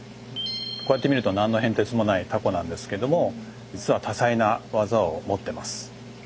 こうやって見ると何の変哲もないタコなんですけども実は多彩な技を持ってます。